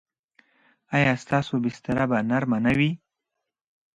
ایا ستاسو بستره به نرمه نه وي؟